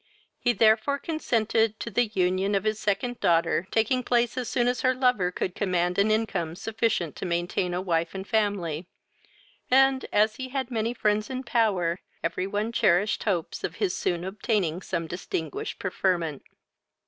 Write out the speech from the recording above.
He therefore consented to the union of his second daughter taking place as soon as her lover could command an income sufficient to maintain a wife and family; and, as he had many friends in power, every one cherished hopes of his soon obtaining some distinguished preferment.